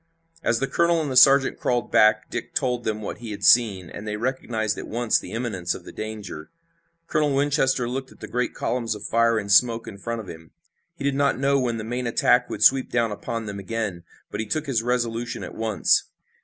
As the colonel and the sergeant crawled back Dick told them what he had seen, and they recognized at once the imminence of the danger. Colonel Winchester looked at the great columns of fire and smoke in front of him. He did not know when the main attack would sweep down upon them again, but he took his resolution at once.